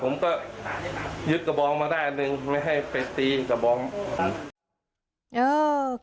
ผมก็ยึดกระบองมาได้อันหนึ่งไม่ให้ไปตีกระบองเยอะ